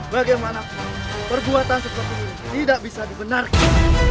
bagaimanapun perbuatan sepertimu tidak bisa dibenarkan